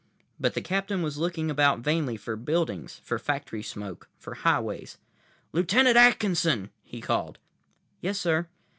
But the Captain was looking about vainly for buildings, for factory smoke, for highways. "Lieutenant Atkinson!" he called. "Yes, sir."